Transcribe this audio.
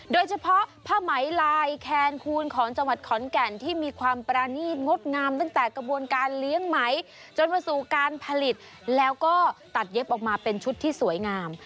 โดยเฉพาะผ้าไหมลายแคนคูณของจังหวัดขอนแก่นที่มีความประนีตงดงามตั้งแต่กระบวนการเลี้ยงไหมจนมาสู่การผลิตแล้วก็ตัดเย็บออกมาเป็นชุดที่สวยงาม